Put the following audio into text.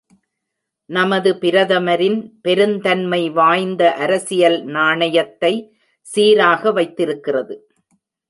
நமது பிரதமரின் பெருந்தன்மை வாய்ந்த அரசியல் நாணயத்தை சீராக வைத்திருக்கிறது.